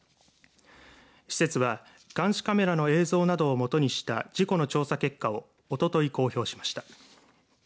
施設は監視カメラの映像などを基にした事故の調査結果をおととい公表しました。